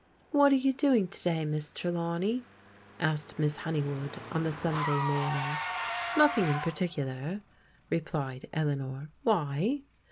"What are you doing to day. Miss Trelawney?" asked Miss Hone3rwood on the Sunday morning. Nothing in particular," replied Eleanor. "Why?"